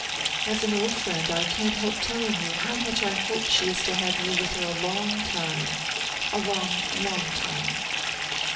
"As an old friend I can't help telling you how much I hope she is to have you with her for a long time a long, long time."